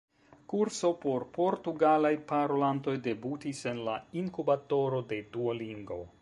kurso por portugalaj parolantoj debutis en la inkubatoro de Duolingo